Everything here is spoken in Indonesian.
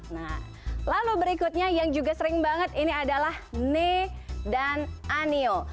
nah lalu berikutnya yang juga sering banget ini adalah ne dan anio